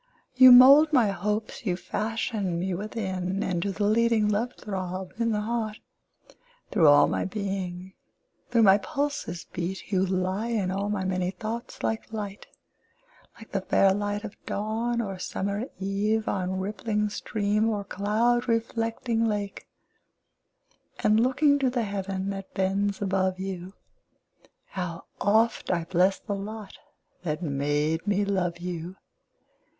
commune } 1807. Now first published from an MS. 26 You mould my Hopes you fashion me within: And to the leading love throb in the heart, Through all my being, through my pulses beat; You lie in all my many thoughts like Light, Like the fair light of Dawn, or summer Eve, On rippling stream, or cloud reflecting lake; And looking to the Heaven that bends above you, How oft! I bless the lot that made me love you.